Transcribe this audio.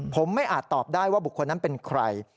ผมไม่อาจตอบได้ว่าบุคคลนั้นเป็นใคร